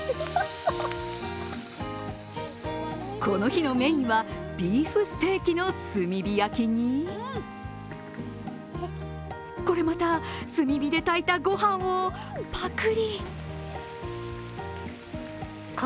この日のメインは、ビーフステーキの炭火焼きにこれまた炭火で炊いた御飯をぱくり。